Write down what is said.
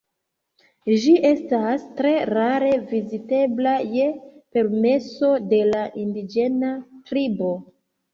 Ĝi estas tre rare vizitebla je permeso de la indiĝena tribo.